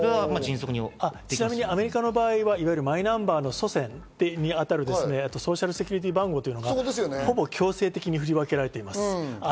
ちなみにアメリカの場合はマイナンバーの祖先にあたるんですね、ソーシャルセキュリティー番号というのがほぼ強制的に振り分けられています。